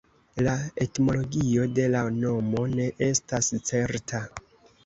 La etimologio de la nomo ne estas certa.